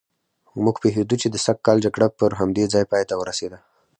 موږ پوهېدو چې د سږ کال جګړه پر همدې ځای پایته ورسېده.